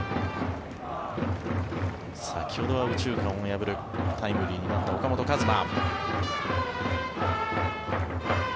先ほどは右中間を破るタイムリーになった岡本和真。